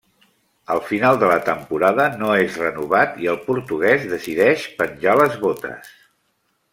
Al final de la temporada, no és renovat i el portugués decideix penjar les botes.